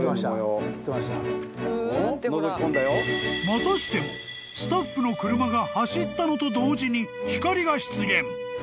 ［またしてもスタッフの車が走ったのと同時に光が出現］